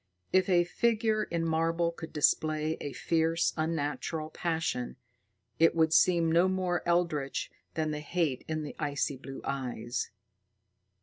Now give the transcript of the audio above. If a figure in marble could display a fierce, unnatural passion, it would seem no more eldritch than the hate in the icy blue eyes.